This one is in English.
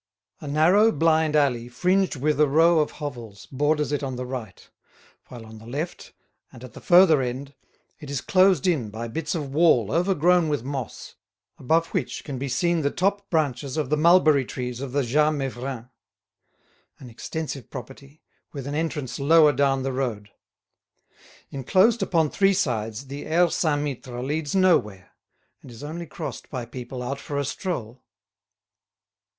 A narrow blind alley fringed with a row of hovels borders it on the right; while on the left, and at the further end, it is closed in by bits of wall overgrown with moss, above which can be seen the top branches of the mulberry trees of the Jas Meiffren—an extensive property with an entrance lower down the road. Enclosed upon three sides, the Aire Saint Mittre leads nowhere, and is only crossed by people out for a stroll.